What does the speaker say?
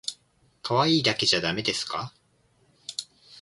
可愛いだけじゃだめですか？